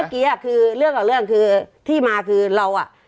เมื่อกี้คือเรื่องกับเรื่องคือที่มาคือเราอ่ะ